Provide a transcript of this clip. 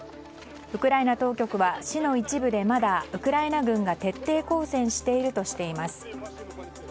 ウクライナ当局は市の一部でまだ、ウクライナ軍が徹底抗戦しているとしています。